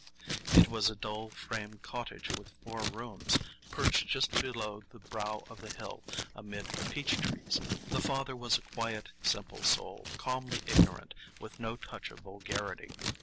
It was a dull frame cottage with four rooms, perched just below the brow of the hill, amid peach trees. The father was a quiet, simple soul, calmly ignorant, with no touch of vulgarity.